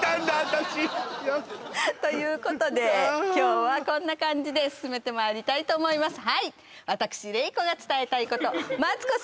私ということで今日はこんな感じで進めてまいりたいと思います